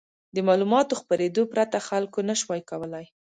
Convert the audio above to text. د معلوماتو خپرېدو پرته خلکو نه شوای کولای.